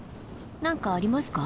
何かありますか？